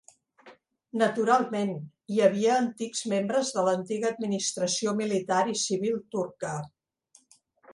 Naturalment, hi havia antics membres de l'antiga administració militar i civil turca.